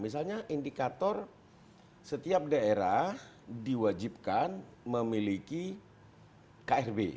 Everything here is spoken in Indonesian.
misalnya indikator setiap daerah diwajibkan memiliki krb